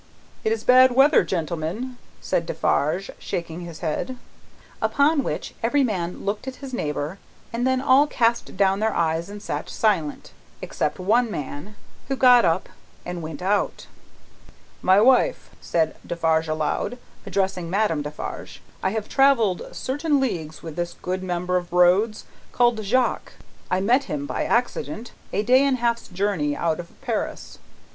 "It is bad weather, gentlemen," said Defarge, shaking his head. Upon which, every man looked at his neighbour, and then all cast down their eyes and sat silent. Except one man, who got up and went out. "My wife," said Defarge aloud, addressing Madame Defarge: "I have travelled certain leagues with this good mender of roads, called Jacques. I met him by accident a day and half's journey out of Paris.